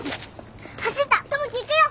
走った友樹行くよ。